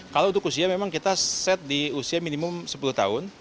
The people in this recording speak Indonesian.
kalau untuk usia memang kita set di usia minimum sepuluh tahun